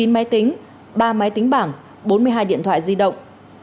chín máy tính ba máy tính bảng bốn mươi hai điện thoại di động